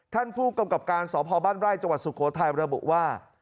ท่านผู้กำกับการสอบภอบ้านไล่จังหวัดสุโขทัยบันดาลบุว่า